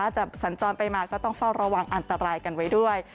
สัญจรไปมาก็ต้องเฝ้าระวังอันตรายกันไว้ด้วย